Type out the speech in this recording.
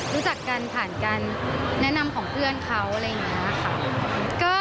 รู้จักกันผ่านการแนะนำของเพื่อนเขาอะไรอย่างนี้ค่ะ